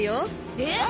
えっ？